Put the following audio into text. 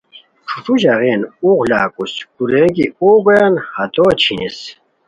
ݯوݯھو ژاغین اوغ لاکوس، کورین کی اوغ گویان ہتو چھینیس